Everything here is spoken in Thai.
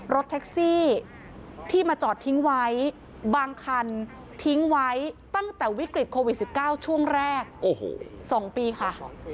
รถแท็กซี่ที่มาจอดทิ้งไว้บางคันทิ้งไว้ตั้งแต่วิกฤตโควิด๑๙ช่วงแรก๒ปีค่ะ